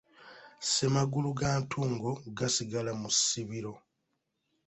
Ssemagulu ga ntungo gasigala mu ssibiro.